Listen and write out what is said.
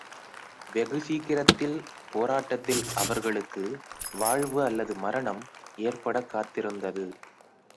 வெகுசீக்கிரத்தில் போராட்டத்தில் அவர்களுக்கு வாழ்வு அல்லது மரணம் ஏற்படக் காத்திருந்தது.